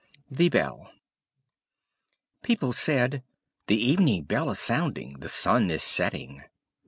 THE BELL People said "The Evening Bell is sounding, the sun is setting."